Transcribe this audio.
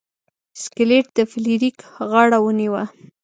سکلیټ د فلیریک غاړه ونیوه.